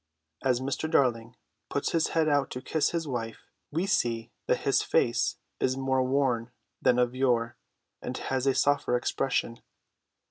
As Mr. Darling puts his head out to kiss his wife, we see that his face is more worn than of yore, but has a softer expression.